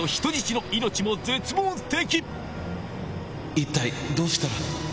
一体どうしたら